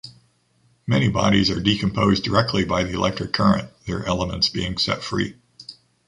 Many bodies are decomposed directly by the electric current, their elements being set free.